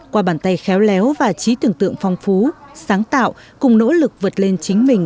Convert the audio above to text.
qua bàn tay khéo léo và trí tưởng tượng phong phú sáng tạo cùng nỗ lực vượt lên chính mình